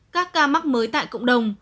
các ca mắc mới tại cộng đồng